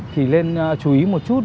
thì nên chú ý một chút